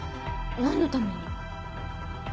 何のために？